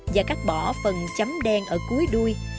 và cắt bỏ phần chấm đen ở cuối đuôi